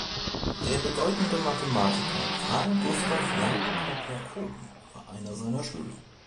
Der bedeutende Mathematiker Carl Gustav Jacob Jacobi war einer seiner Schüler.